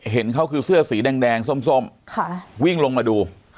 เห็นเขาคือเสื้อสีแดงส้มวิ่งลงมาดู